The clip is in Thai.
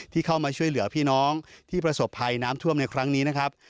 เข้ามาช่วยเหลือพี่น้องที่ประสบภัยน้ำท่วมในครั้งนี้นะครับ